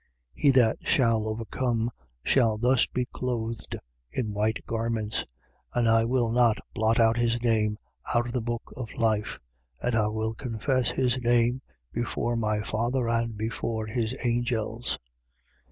3:5. He that shall overcome shall thus be clothed in white garments: and I will not blot out his name out of the book of life. And I will confess his name before my Father and before his angels.